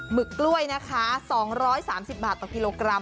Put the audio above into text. ึกกล้วยนะคะ๒๓๐บาทต่อกิโลกรัม